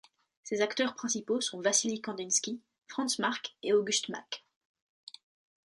Ses acteurs principaux sont Vassily Kandinsky, Franz Marc et August Macke.